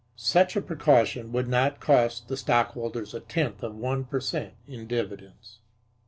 Such a precaution would not cost the Stockholders a tenth of one per cent. in dividends.